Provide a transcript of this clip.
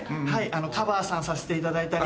カバーさんさせていただいたり。